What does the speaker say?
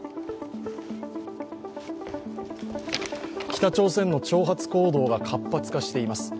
北朝鮮の挑発行動が活発化しています。